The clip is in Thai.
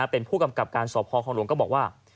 เป็นผู้กำกับการสอบพอของหลวงก็บอกว่า